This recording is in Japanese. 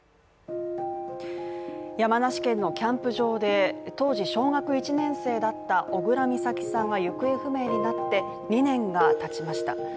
山梨県のキャンプ場で、当時小学１年生だった小倉美咲さんが行方不明になって２年が経ちました。